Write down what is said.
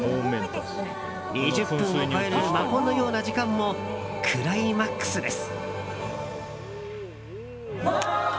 ２０分を超える魔法のような時間もクライマックスです。